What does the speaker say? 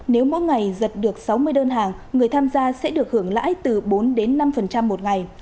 nếu mỗi ngày giật được sáu mươi đơn hàng người tham gia sẽ được hưởng lãi từ bốn đến năm một ngày